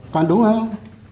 toàn đúng không